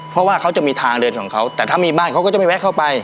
เพราะว่าเขาจะมีทางเดินของเขาแต่ถ้ามีบ้านเขาก็จะไม่แวะเข้าไป